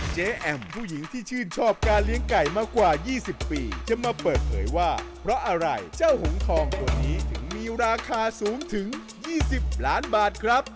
แอมผู้หญิงที่ชื่นชอบการเลี้ยงไก่มากว่า๒๐ปีจะมาเปิดเผยว่าเพราะอะไรเจ้าหงทองตัวนี้ถึงมีราคาสูงถึง๒๐ล้านบาทครับ